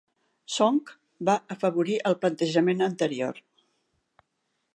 Sonck va afavorir el plantejament anterior.